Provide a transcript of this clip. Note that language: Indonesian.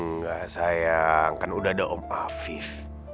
enggak sayang kan udah ada om afif